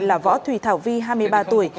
là võ thùy thảo vi hai mươi ba tuổi